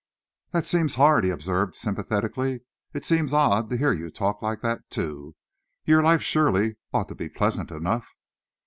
"That seems hard," he observed sympathetically. "It seems odd to hear you talk like that, too. Your life, surely, ought to be pleasant enough."